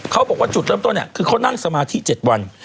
เขาบอกว่าจุดเริ่มต้นคือเขานั่งสมาธิ๗วัน